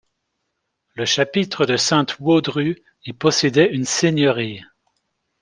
Le chapitre de Sainte-Waudru y possédait une seigneurie.